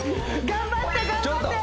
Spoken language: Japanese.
頑張って頑張って！